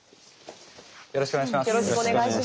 よろしくお願いします。